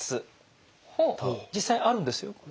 実際あるんですよ。